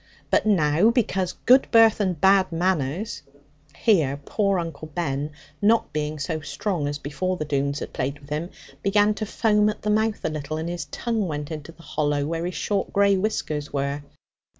But now, because good birth and bad manners ' Here poor Uncle Ben, not being so strong as before the Doones had played with him, began to foam at the mouth a little, and his tongue went into the hollow where his short grey whiskers were.